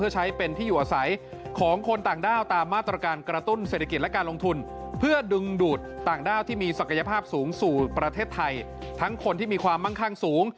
เช้านี้ต้องรู้